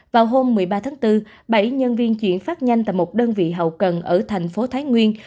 vào hôm một mươi ba tháng bốn bảy nhân viên chuyển phát nhanh tại một đơn vị hậu cần ở thành phố thái nguyên